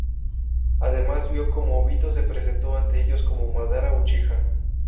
Además vio cómo Obito se presentó ante ellos como Madara Uchiha.